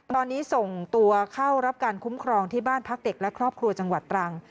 ตอนนี้ส่งตัวเข้ารับการคุ้มครองที่บ้านพักเด็กและครอบครัวจังหวัดตรัง